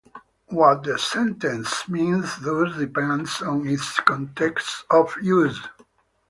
What the sentence means thus depends on its context of use.